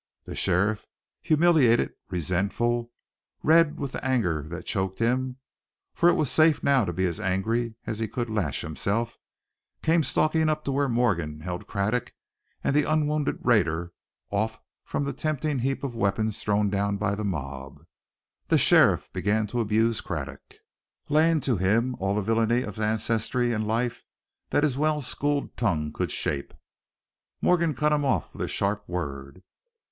The sheriff, humiliated, resentful, red with the anger that choked him for it was safe now to be as angry as he could lash himself came stalking up to where Morgan held Craddock and the unwounded raider off from the tempting heap of weapons thrown down by the mob. The sheriff began to abuse Craddock, laying to him all the villainy of ancestry and life that his well schooled tongue could shape. Morgan cut him off with a sharp word.